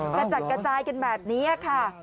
กระจัดกระจายกันแบบนี้ค่ะ